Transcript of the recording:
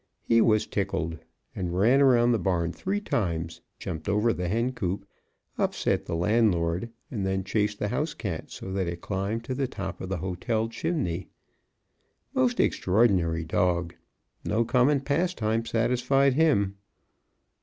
He was tickled, and ran round the barn three times, jumped over the hen coop, upset the landlord, and then chased the house cat so that it climbed to the top of the hotel chimney. Most extraordinary dog; no common pastime satisfied him.